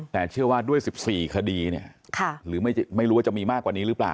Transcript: แต่เชื่อว่าด้วย๑๔คดีหรือไม่รู้ว่าจะมีมากกว่านี้หรือเปล่า